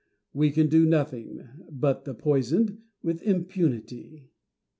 We can do nothing (but be poisoned) with impunity.